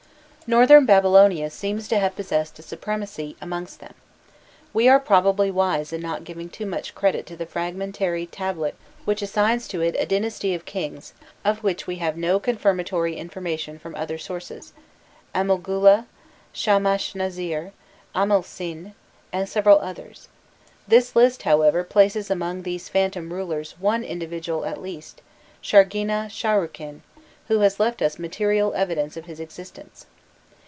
Northern Babylonia seems to have possessed a supremacy amongst them. We are probably wise in not giving too much credit to the fragmentary tablet which assigns to it a dynasty of kings, of which we have no confirmatory information from other sources Amilgula, Shamashnazir, Amilsin, and several others: this list, however, places among these phantom rulers one individual at least, Shargina Sharrukin, who has left us material evidences of his existence.